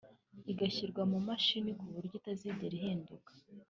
igashyirwa mu mashini ku buryo itazigera ihinduka